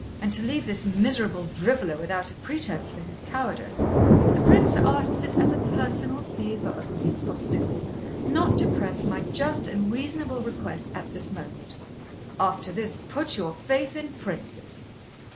And, to leave this miserable driveller without a pretence for his cowardice, the Prince asks it as a personal favour of me, forsooth, not to press my just and reasonable request at this moment. After this, put your faith in princes!'